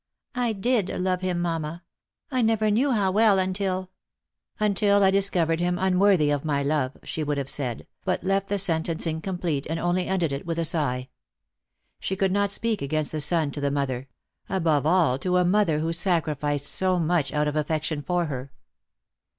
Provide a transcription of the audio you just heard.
" I did love him, mamma. I never knew how well until " "Until I discovered him unworthy of my love," she would have said, but left the sentence incomplete, and only ended it with a sigh. She could not speak against the son to the mother — above all to a mother who sacrificed so much out of affection for her.